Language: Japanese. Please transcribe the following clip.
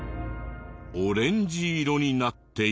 オレンジ色になっている。